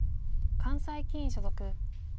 関西棋院所属。